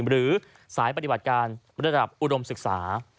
หรือสายปฏิบัติการระดับอุดมศึกษา